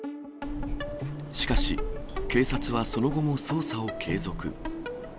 しかし、警察はその後も捜査を継続。